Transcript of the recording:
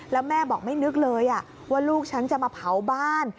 แล้วแม่บอกไม่นึกเลยว่าลูกฉันจะมาเผาบ้าน